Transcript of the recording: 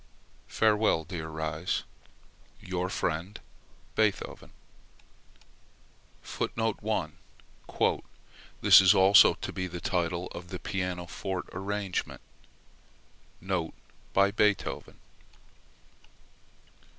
Farewell, dear Ries. Your friend, BEETHOVEN. [Footnote 1: "This is also to be the title of the pianoforte arrangement." (Note by Beethoven.)